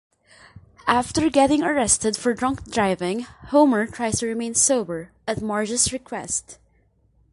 After getting arrested for drunk driving, Homer tries to remain sober, at Marge's request.